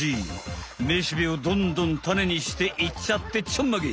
めしべをどんどんタネにしていっちゃってちょんまげ！